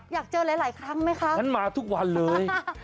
อยากเจอหลายครั้งไหมคะงั้นมาทุกวันเลย